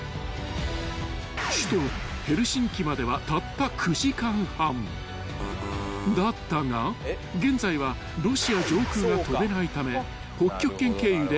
［首都ヘルシンキまではたった９時間半だったが現在はロシア上空が飛べないため］